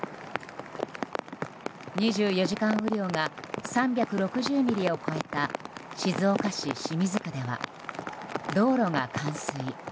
２４時間雨量が３６０ミリを超えた静岡市清水区では道路が冠水。